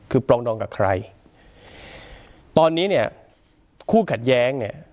คือปรองดองกับใครตอนนี้เนี่ยคู่ขัดแย้งเนี่ย